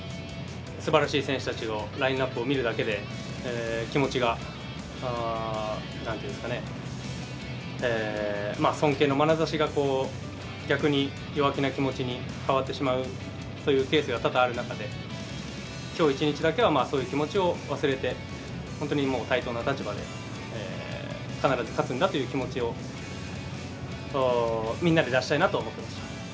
すばらしい選手たちのラインナップを見るだけで、気持ちがなんていうんですかね、尊敬のまなざしが逆に弱気な気持ちに変わってしまう、そういうケースが多々ある中で、きょう一日だけはそういう気持ちを忘れて、本当にもう対等な立場で、必ず勝つんだという気持ちをみんなで出したいなと思ってました。